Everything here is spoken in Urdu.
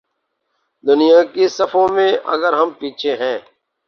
دنیا کی صفوں میں اگر ہم پیچھے ہیں۔